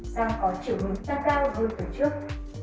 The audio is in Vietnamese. sang có triều hướng tăng cao hơn tuần trước